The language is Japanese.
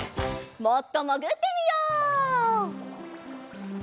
もっともぐってみよう。